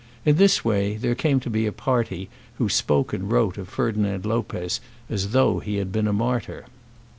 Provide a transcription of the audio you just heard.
In this way there came to be a party who spoke and wrote of Ferdinand Lopez as though he had been a martyr.